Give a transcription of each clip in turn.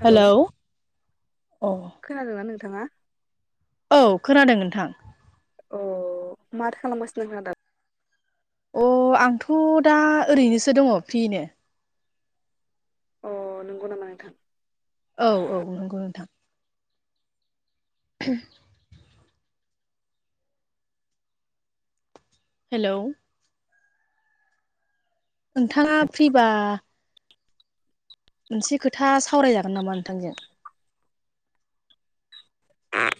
Hello अ खोनादोंना नोंथाङा? औ खोनादों नोंथां अ माथो खालामगाासनो नोंथांआ दा? अ आंथ' दा ओरैनोसो दङ फ्रिनो अ नंगौ नामा नोंथां औ औ नंगौ नोंथां ह [inaudible] हेलौ नोंथाङा फ्रिबा मोनसे खोथा सावरायजागोन नामा नोंथांजों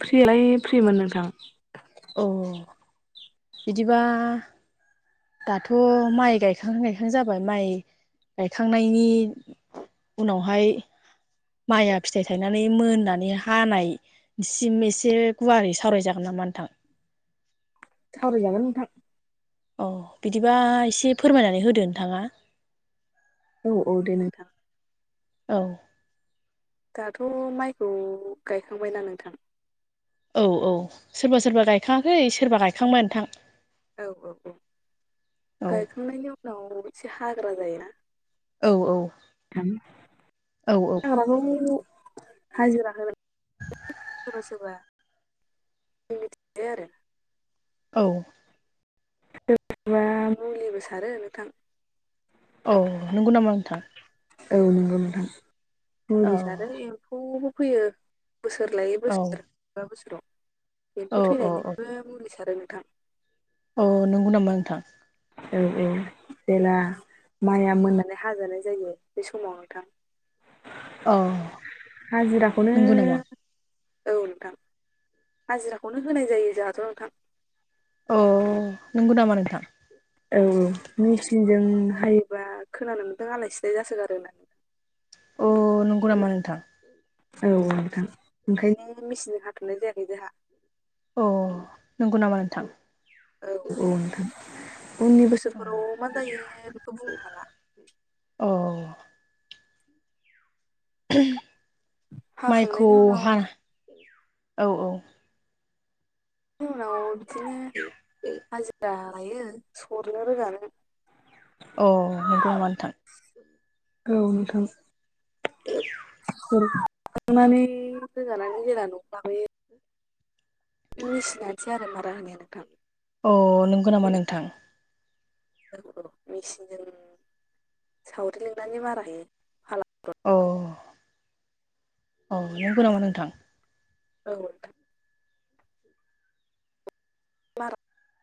फ्रियालाय फ्रिमोन नोंथां औ बिदिबा दाथ' माइ गायखां गायखां जाबाय माइ गायखांनायनि उनावहाय माइया फिथाइ थायनानै मोननानै हानायसिम एसे गुवारै सावरायजागोन ना मा नोंथां? [inaudible] सावरायजागोन नोंथां औ बिदिबा एसे फोरमायनानै होदो नोंथाङा औ औ दे नोंथां औ दाथ' माइखौ गायखांबायना नोंथां? औ औ सोरबा सोरबा गायखाङाखै सोरबा गायखांबाय नोंथां। औ औ औ औ गायखांनायनि उनाव एसे हाग्रा जायो ना? औ [unintelligible] औ हाजिरा होगोन [unintelligible] सोरबा सोरब [unintelligible] औ सोरबा मुलिबो सारो नोंथां औ नंगौ नामा नोंथां औ नंगौ नोंथां औ मुलिस आरो एम्फौबो फैयो बोसोर लायै औ बोसोर माबा बोसोराव औ बेफोर औ औ थैनायनिबो मुलि सारो थां औ नंगौ नामा नोंथां औ औ जेला माइया मोननानै हाजानाय जायो बे समाव नोंथां अ हाजिराखौनो नंगौ नामा औ नोंथां हाजिराखौनो होनाय जायो जोंहाथ' नोंथां अ नंगौ नामा नोंथां औ मेचिनजों हायोबा खोनानो मोनदों आलाय सिलाय जासोगारो होननानै अ नंगौ नामा नोंथां? औ औ नोंथां ओंखायनो मेचिनजों हाथ'नाय जायाखै जोंहा। अ नंगौ नामा नोंथां? औ औ नोंथां। उननि बोसोरफोराव अ मा जायो बेखौ बुंनो हाला। हाखांनायनि उनाव माइखौहा औ औ जोंनाव बिदिनो हाजिरा लायो सरनो रोगानो अ नंगौ नामा नोंथां? औ नोंथां [unintelligible] नानै होजानानै जेला न'आव लाबोयो बे मेसिनानोसै आरो मारा होनो नोंथां अ नंगौ नामा नोंथां? औ औ मेचिनजों सावरि लिंनानै बारा होयो फाला औ नोंगौ नामा नोंथां? औ [unintelligible]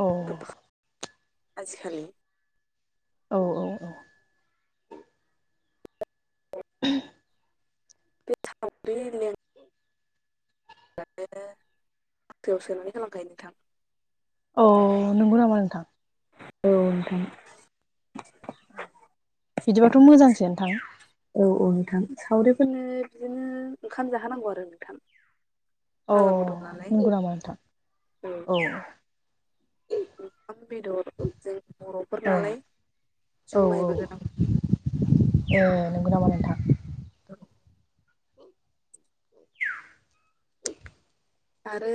अ आजिखालि औ औ औ [unintelligible] बे साव्रि लें द फयाव सोनानै खालामखायो नोंथां [unintelligible] अ नंगौ नामा नोंथां? औ नोंथां। बिदिबाथ' मोजांसो नोंथां औ औ नोंथां सावरिफोरनो बिदिनो ओंखाम जाहोनांगौ आरो नोंथां औ फाला बदल नालाय नंगौ नामा नोंथां औ ओंखाम बेदर जों औ बर'फोरनालाय औ औ जुमायबो होनांगौ ए नंगौ नामा नोंथां? [inaudible] [inaudible] आरो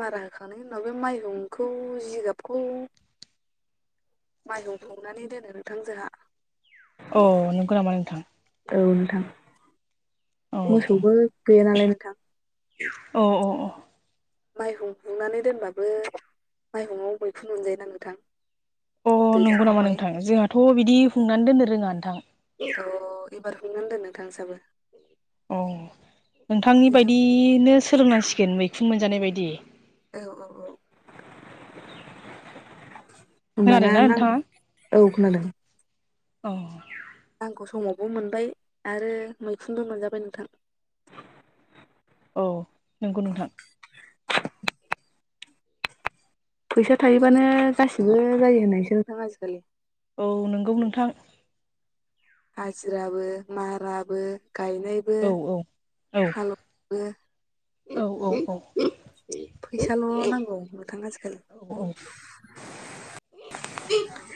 मारा होखांनायनि उनाव बे माइरंखौ जिगाबखौ माइहुं हुंनानै दोनो नोंथां जोंहा अ नोंगौ नामा नोंथां? औ नोंथां औ मोसौबो गैया नालाय नोंथां औ औ औ माइहुं हुंनानै दोनबाबो माइहुङाव मैखुन मोनजायो ना नोथां? अ नंगौ नामा नोंथां जोंहाथ' बिदि हुंनानै दोननो रोङा नोंथां। औ एबार हुंनानै दोन नोंथां नोंसाबो अ नोंथांनि दैज्लां बायदिनो सोलोंनांसिगोन मैखुन मोनजानाय बायदि औ औ औ होनबाना खोनादोंना मा औ‌ खोनादों अ नांखौ समावबो मोनबाय आरो मैखुनबो मोनजाबाय नोंथां औ नंगौ नोंथां। फैसा थायोबानो गासिबो जायो होननायसो नोंथां आजिखालि औ नंगौ नोंथां। हाजिराबो माराबो गायनायबो औ औ हालौ बो औ औ औ फैसाल' नांगौ नोंथां आजिखालि औ औ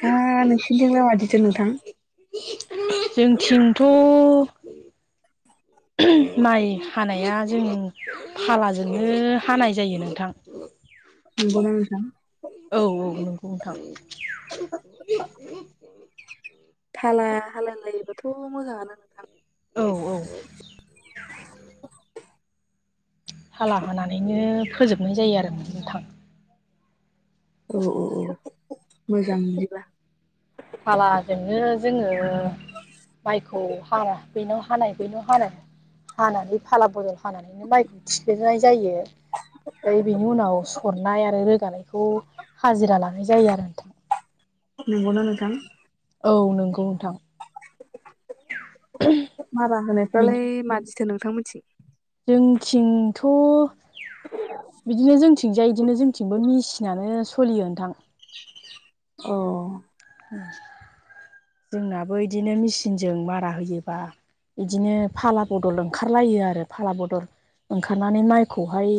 हा नोंसिनिथिंलाय मादि? [inaudible] जोंथिंथ' माइ हानाया जों फालाजोंनो हानाय जायो नोंथां। नंगौना नोंथां। बुंनो थाङो। [inaudible] थाला हालायलायोबाथ' मोजाङानो नोंथां। औ औ औ। हाला हानानैनो फोजोबनाय जायो आरो म थां औ औ औ मोजां बिदिबा खालाजोंनो जोङो माइखौ हाया बेनाव हानाय बैनाव हानो हानानै फाला बदल हानानैनो माइखौ थिखोनाय जायो। फ्राय बेनि उनाव सरनाय आरो रोगानायखौ हाजिरा लानाय जायो आरो नोंथा। नंगौना नोंथां औ नंगौ नोंथां मारा बेनि होनायफ्रालाय मादिथो नोंथांमोनथिं जोंथिंथ' बिदिनो जोंथिं थिंजाय इदिनो जोंथिंबो मेसिनानो सोलियो नोंथां अ जोंनाबो इदिनो मेचिनजों मारा होयोबा इदिनो फाला बदल ओंखारलायो आरो फाला बदल ओंखारनानै माइखौहाय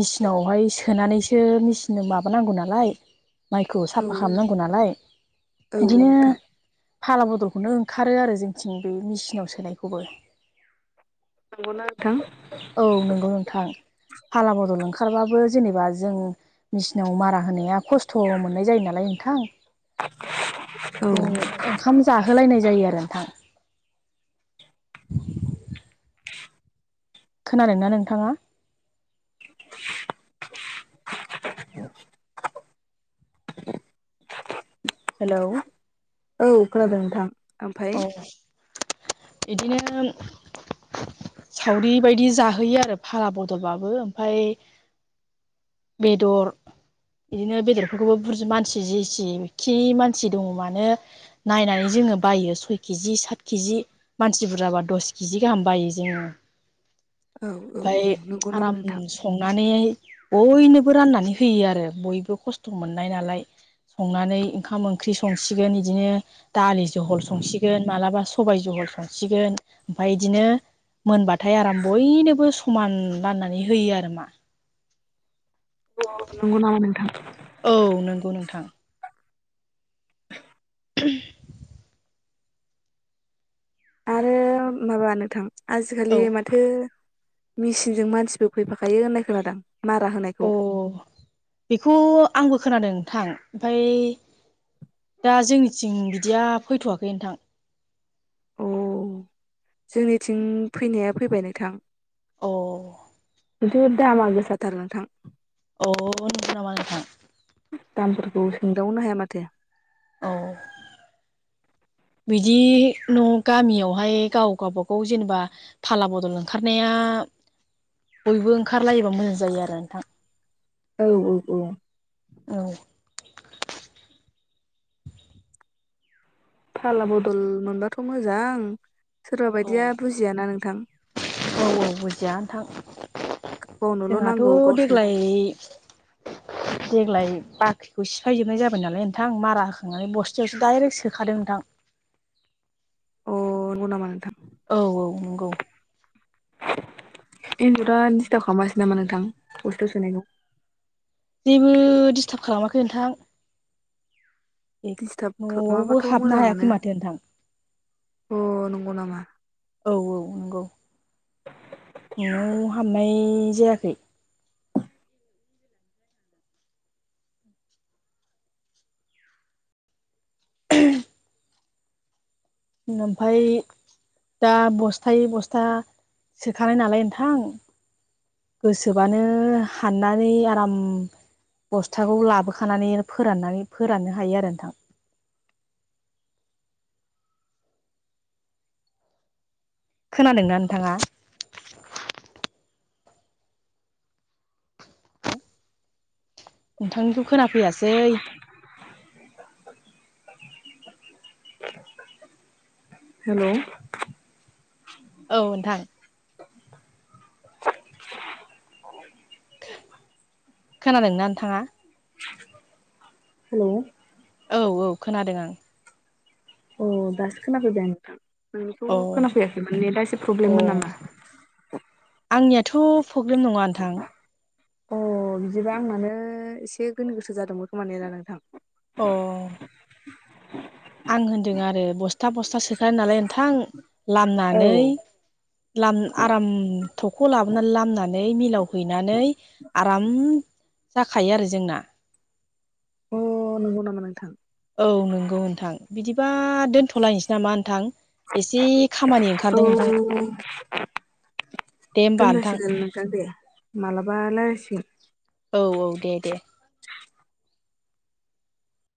मेचिनावहाय सोनानैसो मेचिनजों माबानांगौ नालाय माइखौ साफा खालामनांगौ नालाय औ औ इदिनो नोंथां। फाला बदलखौनो ओंखारो आरो जोंथिं बे मिसिंनाव सोनायखौबो नोंगौना नोंथां औ नंगौ नोंथां फाला बदल ओंखारबाबो जेनेबा जों मेसिनाव मारा होनाया खस्थ' मोननाय जायो नालाय नोंथां औ जों ओंखाम जाहोलायनाय जायो आरो नोंथां [inaudible] खोनादोंना नोंथाङा? हेलौ औ खोनादों नोंथां ओमफाय बिदिनो सावरि बायदि जाहोयो आरो फाला बदलबाबो ओमफ्राय बेदर बिदिनो बेदरफोरखौबो बुर मानसि जेसिखि मानसि दङ मानो नायनानै जोङो बायो सय केजि सात केजि मानसि बुरजाबा दस केजि गाहाम बायो जोङो। औ औ औ ओमफाय नंगौ नामा आराम नोंथां संनानै बयनोबो राननानै होयो आरो बयबो खस्थ' मोननाय नालाय संनानै ओंखाम ओंख्रि संसिगोन बिदिनो दालि जहल संसिगोन मालाबा सबाय जहल संसिगोन ओमफ्राय बिदिनो मोनबाथाय आराम बयनोबो समान राननानै होयो आरो मा नंगौ नामा नोंथां औ नंगौ नोंथां [inaudible] आरो माबा नोंथां औ आजिखालि माथो मेसिनजों मानसिबो फैफाखायो होननाय खोनादों। अ बेखौ आंबो खोनादों नोंथां। ओमफाय दा जोंनिथिं बिदिया फैथ'वाखै नोंथां। अ जोंनिथिं फैनाया फैबाय नोंथां। अ। दुर दामा गोसाथार नोंथां। अ नंगौ नामा नोंथां। दामफोरखौ सोंदावनो हाया माथो। औ बिदि न' गामियावहाय गाव गावबागाव जेनेबा फाला बदल ओंखारनाया आ बयबो ओंखारलायोबा मोजां जायो आरो नोंथां। औ औ औ औ फाला बदल मोनबाथ' मोजां सोरबा औ बायदिया बुजियाना नोंथां। औ औ बजियानोंथां। गावनोल' जोंहाथ' नांगौ गावसोर देग्लाय देग्लाय बाख्रिखौ सिफायजोबनाय जाबाय नालाय नोंथां मारा होखांनानै बस्थायावसो दाइरेक्ट सोखादों नोंथां। अ नंगौ नामा नोंथां। औ औ नंगौ। एन्जरा दिस्थाब खालामगासिनो नामा नोंथां बस्थायाव सोनायखौ जेबो दिस्टाब खालामाखै नोंथां। दिस्टाब न'आवबो खालामाबाथ' हाबनो मोजाङानो। हायाखै माथो नोंथां अ नंगौ नामा अ नंगौ न'आव हाबनाय जायाखै [unintelligible] ओमफाय दा बस्थायै बस्था सोखानाय नालाय नोंथां गोसोबानो हाननानै आराम बस्थाखौ लाबोखानानै फोराननानै फोराननो हायो आरो नोंथां। [inaudible] खोनादोंना नोंथाङा? औ। नोंथांनिखौ खोनाफैयासै? [unintelligible] हेलौ औ नोंथां। खोनादोंना नोंथाङा? हेलौ औ औ खोनादों आं। अ दासो खोनाफैबाय आं नोंथां। नोंनिखौ अ खोनाफैयाखैमोन नेटा एसे अ प्रब्लेममोन नामा। थ' प्रब्लेम नङा नोंथां। अ बिदिबा आंनानो एसे गोनो गोथो जादोंमोन खोमा नेटा नोंथां। अ आं होनदों आरो बस्था बस्था सोखानाय नालाय नोंथां औ लामनानै लाम आराम थख लाबोना लामना नानै मिलाव हैनानै आराम जाखायो जोंना? अ नंगौ नामा नोंथां। बा दोन्थ'लायनोसै नामा नोंथां एसे खामानि ओंखारदों नोंथां। दे होमबा दोन्नोसै नोंथां दोन्नोसै मलाबा रायलायसिगोन। औ औ दे दे।